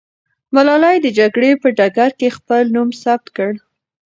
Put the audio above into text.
ملالۍ د جګړې په ډګر کې خپل نوم ثبت کړ.